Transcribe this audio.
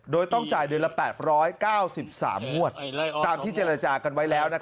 โดยต้องจ่ายเดือนละ๘๙๓งวดตามที่เจรจากันไว้แล้ว